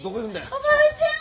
おばあちゃん！